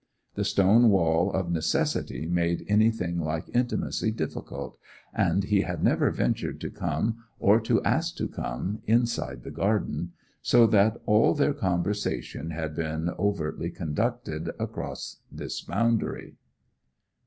The stone wall of necessity made anything like intimacy difficult; and he had never ventured to come, or to ask to come, inside the garden, so that all their conversation had been overtly conducted across this boundary.